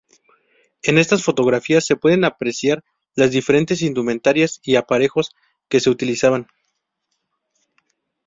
En estas fotografías se pueden apreciar las diferentes indumentarias y aparejos que se utilizaban.